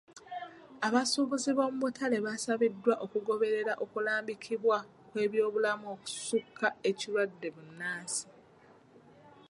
Abasuubuzi b'omu butale baasabiddwa okugoberera okulambikibwa kw'ebyobulamu okusukka ekirwadde bbunansi.